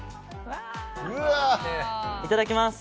いただきます！